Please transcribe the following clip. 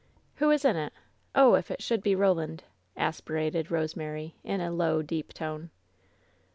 "Who is in it ? Oh, if it should be Roland !" as pirated Rosemary, in a low, deep tone.